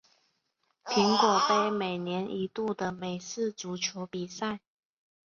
苹果杯每年一度的美式足球比赛。